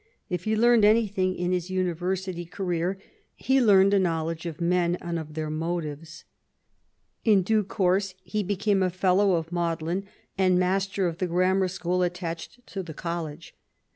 If he learned anything in his University CHAP. II THE FRENCH ALLIANCE 19 career he learned a knowledge of men and of their motives. In due course he became a Fellow of Magdalen, and master of the grammar school attached to the College.